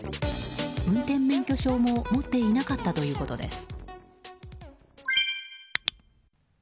運転免許証も持っていなかったということです。